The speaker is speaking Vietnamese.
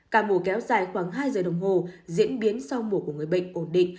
cả mổ kéo dài khoảng hai giờ đồng hồ diễn biến sau mổ của người bệnh ổn định